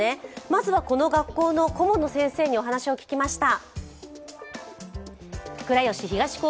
まずはこの学校の顧問の先生にお話を聞きました。